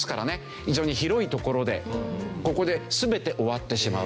非常に広い所でここで全て終わってしまう。